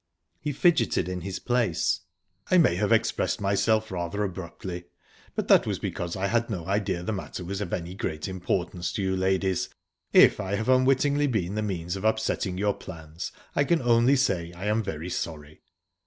He fidgeted in his place. "I may have expressed myself rather abruptly, but that was because I had no idea that the matter was of any great importance to you ladies. If I have unwittingly been the means of upsetting your plans, I can only say I am very sorry."